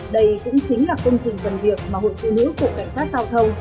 đây cũng chính là công trình phần việc mà hội phụ nữ của cảnh sát giao thông